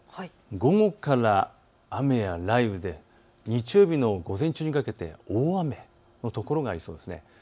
午後から雨や雷雨で日曜日の午前中にかけて大雨の所がありそうです。